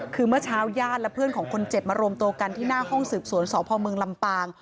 คือเมื่อเช้าญาติและเพื่อนของคนเจ็บมารวมตัวกันที่หน้าห้องสืบสวนสพเมืองลำปาง